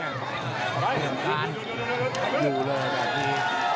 เตรียมการอยู่เลยแบบนี้